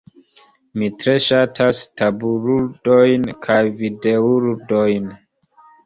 Mi tre ŝatas tabulludojn kaj videoludojn.